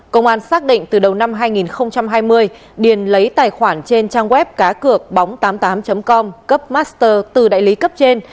công an xác định từ đầu năm hai nghìn hai mươi điền lấy tài khoản trên trang web cá cược bóng tám mươi tám com cấp master từ đại lý cấp trên